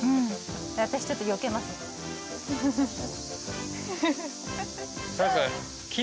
私ちょっとよけますね。